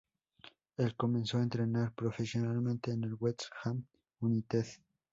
Él comenzó a entrenar profesionalmente en el West Ham United.